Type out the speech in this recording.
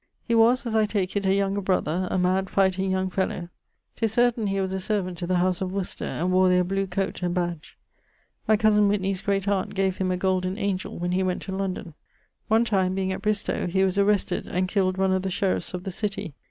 He was (as I take it) a younger brother, a mad fighting young fellow. 'Tis certaine he was a servant to the house of Worcester, and wore their blew coate and badge. My cosen Whitney's great aunt gave him a golden angell when he went to London. One time being at Bristowe, he was arrested, and killed one of the sheriffes of the city.